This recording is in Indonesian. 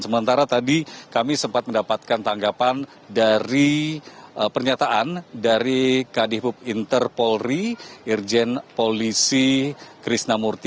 sementara tadi kami sempat mendapatkan tanggapan dari pernyataan dari kadipub interpolri irjen polisi krisnamurti